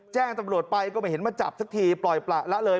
แจ้งตำรวจไปก็ไม่เห็นมาจับสักทีปล่อยประละเลย